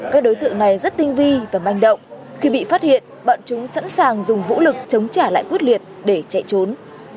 các đối tượng này rất tinh vi và manh động khi bị phát hiện bọn chúng sẵn sàng dùng vũ lực chống trả lại quyết liệt để chạy trốn